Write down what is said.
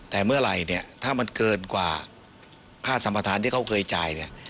แต่เมื่อไหร่เนี่ยถ้ามันเกินกว่าค่าสัมประธานที่เขาเคยจ่ายเนี่ย